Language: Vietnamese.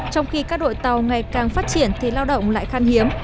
trong khi các đội tàu ngày càng phát triển thì lao động lại khan hiếm